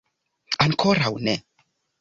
Ankoraŭ ne.